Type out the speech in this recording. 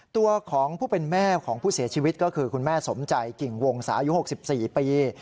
ตัวของผู้เป็นแม่ของผู้เสียชีวิตก็คือคุณแม่สมใจกิ่งวงศาอายุ๖๔ปี